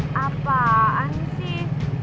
ih apaan sih